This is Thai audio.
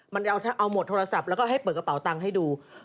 มันเอาหมดโทรศัพท์แล้วก็ให้เปิดกระเป๋าตังค์ให้ดู